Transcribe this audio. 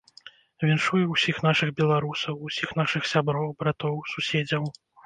Віншую ўсіх нашых беларусаў, усіх нашых сяброў, братоў, суседзяў.